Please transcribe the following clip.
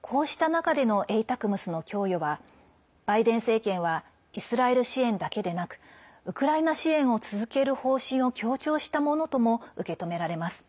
こうした中でのＡＴＡＣＭＳの供与はバイデン政権はイスラエル支援だけでなくウクライナ支援を続ける方針を強調したものとも受け止められます。